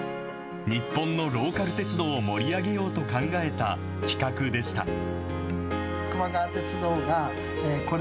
日本のローカル鉄道を盛り上げようと考えた企画でした。